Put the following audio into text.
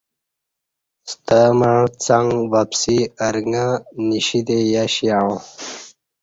ستمع څݣ وپسی ارݣہ نیشیتہ یش یعاں